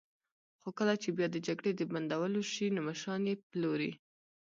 خو کله چې بیا د جګړې د بندولو شي، نو مشران یې پلوري.